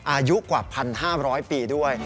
อายุกว่า๑๕๐๐ปีด้วย